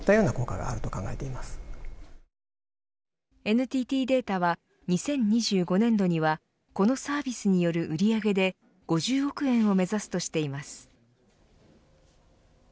ＮＴＴデータは２０２５年度にはこのサービスによる売り上げで５０億円を目指すとしています。